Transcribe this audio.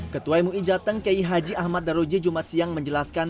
ketua mui jateng ki haji ahmad daroji jumat siang menjelaskan